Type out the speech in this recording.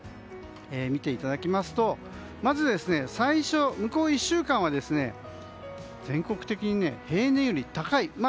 見ていただきますとまず最初、向こう１週間は全国的に平年より高い。